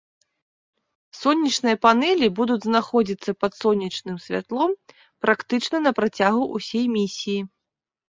Сонечныя панэлі будуць знаходзіцца пад сонечным святлом практычна на працягу ўсёй місіі.